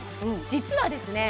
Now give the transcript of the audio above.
実はですね